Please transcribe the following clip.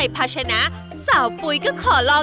โอ้โหโอ้โหโอ้โห